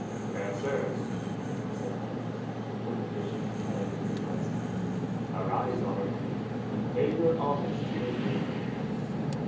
"Fair Sirs," said Merlin, when the Bishop had ended his blessing, "arise all of you, and pay your homage to the King."